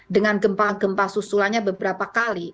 dengan gempa gempa susulannya beberapa kali